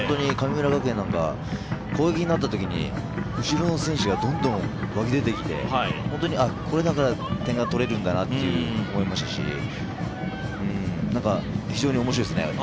神村学園なんか攻撃になったときに後ろの選手がどんどん湧き出てきて本当にこれだから点が取れるんだなと思いましたし非常に面白いですね。